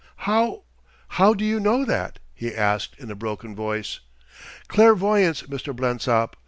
"How how do you know that?" he asked in a broken voice. "Clairvoyance, Mr. Blensop.